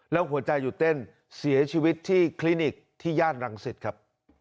แล้วหัวใจหยุดเต้นเสียชีวิตที่คลินิกที่ย่านรังสิตครับ